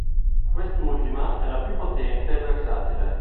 Quest'ultima è la più potente e versatile.